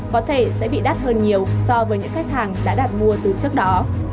có thể sẽ bị đắt hơn nhiều so với những khách hàng đã đặt mua từ trước đó